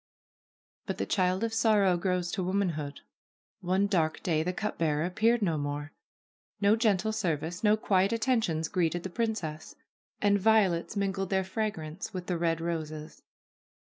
But the child of sorrow grows to womanhood. One dark day the cup bearer appeared no more. No gentle service, no quiet attentions greeted the princess. And violets mingled their fragrance with the red roses.